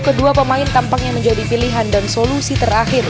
kedua pemain tampaknya menjadi pilihan dan solusi terakhir